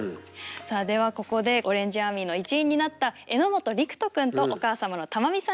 さあではここでオレンジアーミーの一員になった榎本陸人くんとお母様のたまみさんにもお話を伺います。